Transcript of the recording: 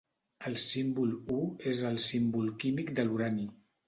El símbol U és el símbol químic de l'urani.